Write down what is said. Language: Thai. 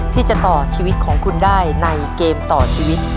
ที่จะต่อชีวิตของคุณได้ในเกมต่อชีวิต